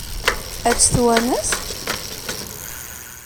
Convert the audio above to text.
Ad tt-twanes?